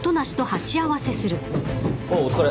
あっお疲れ。